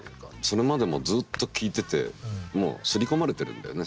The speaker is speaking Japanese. それまでもずっと聴いててもう刷り込まれてるんだよね